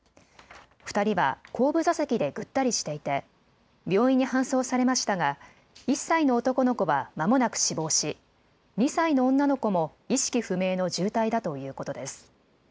２人は後部座席でぐったりしていて、病院に搬送されましたが１歳の男の子はまもなく死亡し２歳の女の子も意識不明の重体だということです。